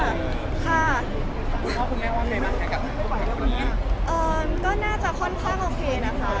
คุณพ่อคุณแม่ค่อยไงน่าจะค่อนข้างโอเคนะคะ